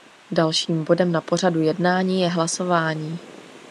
Dalším bodem na pořadu jednání je hlasování.